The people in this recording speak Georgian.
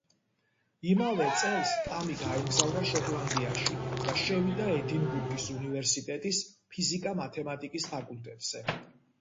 იმავე წელს ტამი გაემგზავრა შოტლანდიაში და შევიდა ედინბურგის უნივერსიტეტის ფიზიკა-მათემატიკის ფაკულტეტზე.